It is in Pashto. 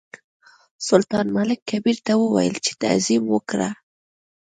سلطان ملک کبیر ته وویل چې تعظیم وکړه.